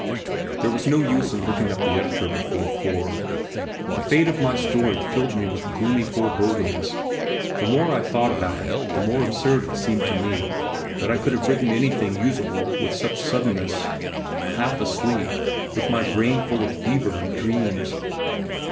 There was no use in looking up the editor before four. The fate of my story filled me with gloomy forebodings; the more I thought about it the more absurd it seemed to me that I could have written anything useable with such suddenness, half asleep, with my brain full of fever and dreams.